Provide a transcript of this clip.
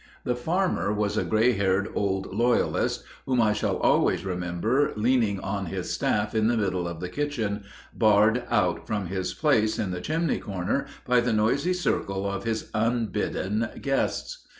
The farmer was a gray haired old loyalist, whom I shall always remember, leaning on his staff in the middle of the kitchen, barred out from his place in the chimney corner by the noisy circle of his unbidden guests.